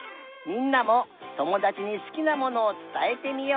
みんなもともだちにすきなものをつたえてみよう。